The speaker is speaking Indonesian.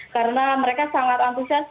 karena mereka sangat antusias